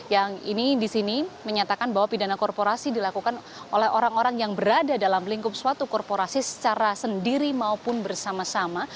yang ini di sini menyatakan bahwa pidana korporasi dilakukan oleh orang orang yang berada dalam lingkup suatu korporasi secara sendiri maupun bersama sama